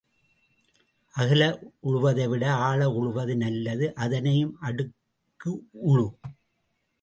அகல உழுவதை விட ஆழ உழுவது நல்லது அதனையும் அடுக்கு உழு.